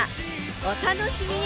お楽しみに！